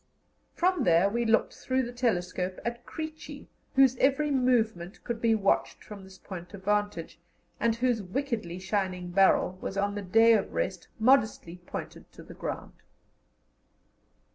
From there we looked through the telescope at "Creechy," whose every movement could be watched from this point of vantage, and whose wickedly shining barrel was on the "day of rest" modestly pointed to the ground.